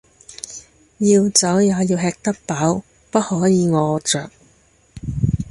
要走也要吃得飽，不可以餓著